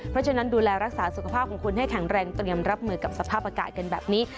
เพราะฉะนั้นดูแลรักษาสุขภาพของคุณให้แข็งแรงเตรียมรับมือกับสภาพอากาศกันแบบนี้